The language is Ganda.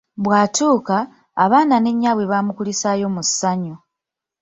Bw’atuuka, abaana ne nnyaabwe bamukulisaayo mu ssannyu.